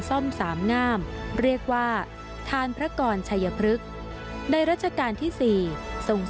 ให้สร้างขึ้นทำด้วยไม้ชัยพรึกปิดทอง